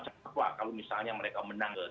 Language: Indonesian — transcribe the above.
siapa kalau misalnya mereka menang